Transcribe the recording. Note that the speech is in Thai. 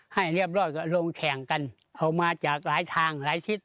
ให้เรียบร้อยก็ลงแข่งกันเอามาจากหลายทางหลายชิด